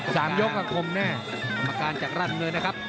สามยกก็คมแน่กรรมการจากร่านเงินนะครับ